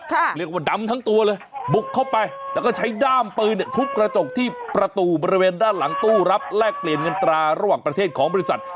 เรียกว่าดำทั้งตัวเลยบุกเข้าไปแล้วก็ใช้ด้ามปืนเนี่ยทุบกระจกที่ประตูบริเวณด้านหลังตู้รับแลกเปลี่ยนเงินตราระหว่างประเทศของบริษัท